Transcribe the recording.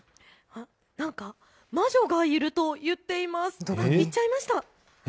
なんか魔女がいると言っています。